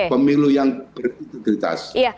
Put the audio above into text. pemilu yang berintegritas